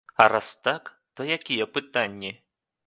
А раз так, то якія пытанні?